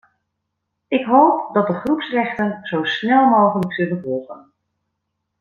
Ik hoop dat de groepsrechten zo snel mogelijk zullen volgen.